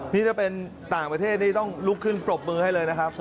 นี่ถ้าเป็นต่างประเทศนี่ต้องลุกขึ้นปรบมือให้เลยนะครับ